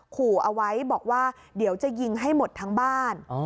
ขู่เอาไว้บอกว่าเดี๋ยวจะยิงให้หมดทั้งบ้าน